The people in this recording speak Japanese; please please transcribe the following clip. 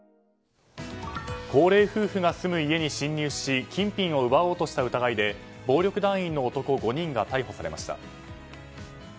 高齢夫婦が住む家に侵入し金品を奪おうとした疑いで暴力団員の男５人が逮捕されました。